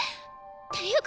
ていうか